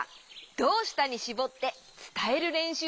「どうした」にしぼってつたえるれんしゅうをしよう！